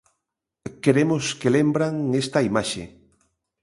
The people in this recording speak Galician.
Queremos que lembran esta imaxe.